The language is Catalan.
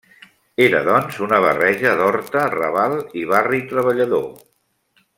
Era, doncs, una barreja d'horta, raval i barri treballador.